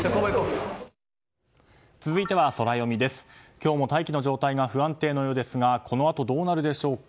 今日も大気の状態が不安定のようですがこのあと、どうなるでしょうか。